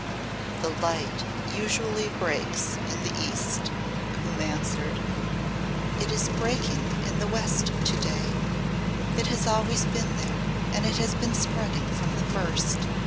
"The light usually breaks in the East," Coombe answered. "It is breaking in the West to day. It has always been there and it has been spreading from the first.